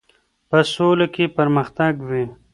په سوله کې پرمختګ وي.